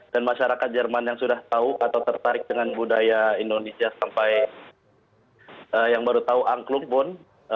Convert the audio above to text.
dan masyarakat jerman yang sudah tahu atau tertarik dengan budaya indonesia sampai yang baru tahu angklung pun